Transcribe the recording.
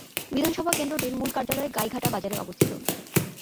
বিধানসভা কেন্দ্রটির মূল কার্যালয় গাইঘাটা বাজারে অবস্থিত।